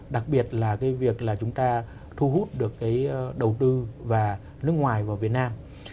đặc biệt là cái việc là chúng ta thu hút được cái đầu tư và nước ngoài vào việt nam